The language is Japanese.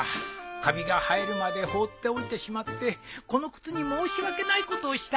かびが生えるまで放っておいてしまってこの靴に申し訳ないことをした。